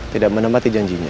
tidak menemati janjinya